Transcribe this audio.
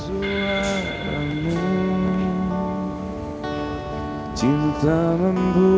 aku akan mencintai kamu